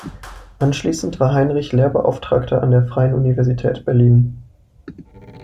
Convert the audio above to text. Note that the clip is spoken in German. Anschließend war Heinrich Lehrbeauftragter an der Freien Universität Berlin.